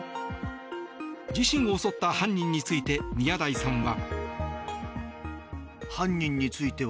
自身を襲った犯人について宮台さんは。